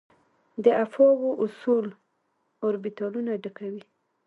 د افباؤ اصول اوربیتالونه ډکوي.